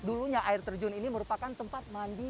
dulunya air terjun ini merupakan tempat mandi